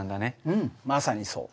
うんまさにそう。